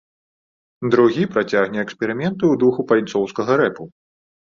Другі працягне эксперыменты ў духу байцоўскага рэпу.